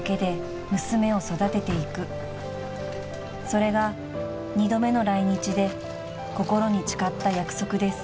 ［それが二度目の来日で心に誓った約束です］